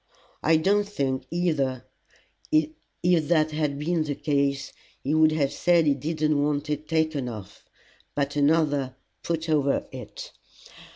I don't think either, if that had been the case, he would have said he didn't want it taken off, but another put over it.